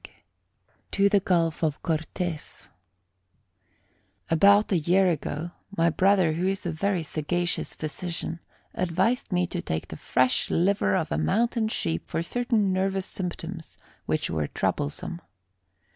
] To the Gulf of Cortez About a year ago, my brother, who is a very sagacious physician, advised me to take the fresh liver of a mountain sheep for certain nervous symptoms which were troublesome.